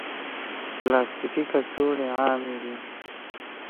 پلاستيکي کڅوړې عامې دي.